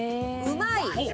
うまい。